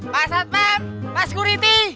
masat pem mas kuriti